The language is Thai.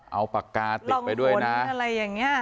เอาปากกาติดไปด้วยนะอะไรอย่างนี้